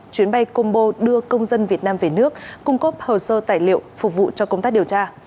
chuyến bay combo đưa công dân việt nam về nước cung cấp hồ sơ tài liệu phục vụ cho công tác điều tra